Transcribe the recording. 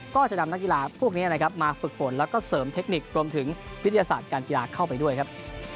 ก็จะนำนักกีฬาพวกนี้นะครับมาฝึกฝนแล้วก็เสริมเทคนิครวมถึงวิทยาศาสตร์การกีฬาเข้าไปด้วยครับ